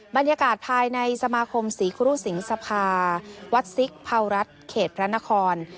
บรรยากาศภายในสมาคมศรีครุสิงสภาวัดซิกเผารัฐเขตพระนคร